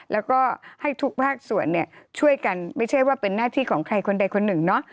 แล้วก็ให้ทุกภาคส่วนเนี่ยช่วยกันไม่ใช่ว่าเป็นหน้าที่ของใครคนใดคนหนึ่งเนาะ